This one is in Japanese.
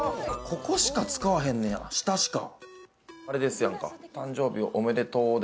ここしか使わへんねや、下しか。